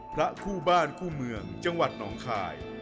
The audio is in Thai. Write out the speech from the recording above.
พระคู่บ้านคู่เมืองจังหวัดหนองคาย